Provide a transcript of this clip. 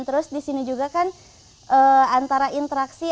terus di sini juga kan antara interaksi